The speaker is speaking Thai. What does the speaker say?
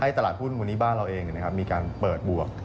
ตลาดหุ้นวันนี้บ้านเราเองมีการเปิดบวก